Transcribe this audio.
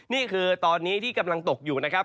นี่คือตอนนี้ที่กำลังตกอยู่นะครับ